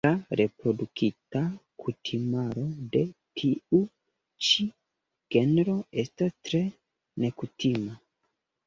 La reprodukta kutimaro de tiu ĉi genro estas tre nekutima.